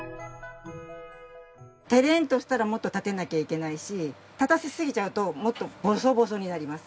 テレンとしたらもっと立てなきゃいけないし立たせすぎちゃうともっとボソボソになります。